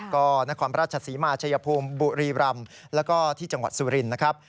ก็นครราชศรีมาชัยภูมิบุรีรำแล้วก็ที่จังหวัดสุรินทร์นะครับ